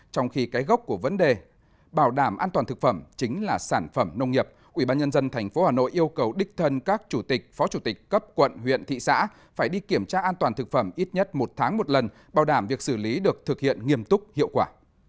trong khi cái gốc của vấn đề bảo đảm an toàn thực phẩm chính là sản phẩm nông nghiệp ubnd tp hà nội yêu cầu đích thân các chủ tịch phó chủ tịch cấp quận huyện thị xã phải đi kiểm tra an toàn thực phẩm ít nhất một tháng một lần bảo đảm việc xử lý được thực hiện nghiêm túc hiệu quả